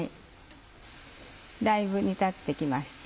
だいぶ煮立って来ました。